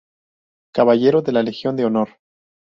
Caballero de la Legión de honor.